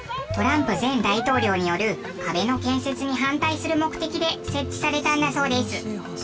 トランプ前大統領による壁の建設に反対する目的で設置されたんだそうです。